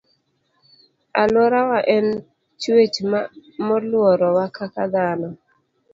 Aluorawa en chuech moluorowa kaka dhano